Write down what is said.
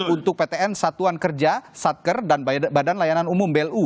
untuk ptn satuan kerja satker dan badan layanan umum belu